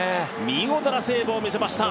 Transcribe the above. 見事なセーブを見せました！